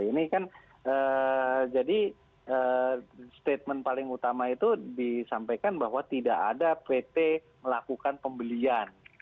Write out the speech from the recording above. ini kan jadi statement paling utama itu disampaikan bahwa tidak ada pt melakukan pembelian